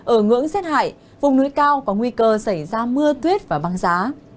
ở ngưỡng rét hại vùng núi cao có nguy cơ xảy ra mưa tuyết và băng giá